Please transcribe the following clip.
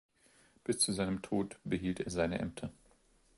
Bis zu seinem Tod behielt er seine Ämter.